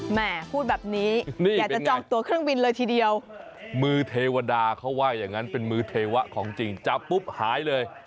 แม่พูดแบบนี้อยากจะจองตัวเครื่องบินเลยทีเดียวมือเทวดาเขาว่าอย่างนั้นเป็นมือเทวะของจริงจับปุ๊บหายเลย